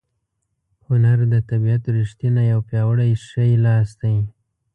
هنر د طبیعت ریښتینی او پیاوړی ښی لاس دی.